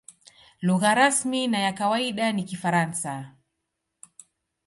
Lugha rasmi na ya kawaida ni Kifaransa.